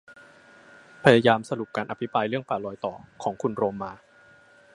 พยายามสรุปการอภิปรายเรื่อง ป่ารอยต่อ ของคุณโรมมา